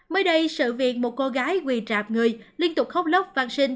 mới đây sự việc một cô gái quỳ rạp người liên tục khóc lóc văn sinh